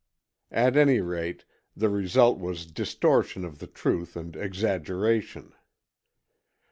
At any rate, the result was distortion of the truth and exaggeration.